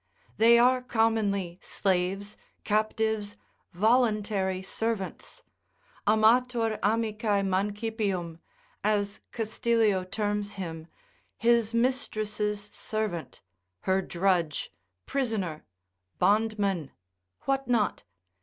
They are commonly slaves, captives, voluntary servants, Amator amicae mancipium, as Castilio terms him, his mistress' servant, her drudge, prisoner, bondman, what not?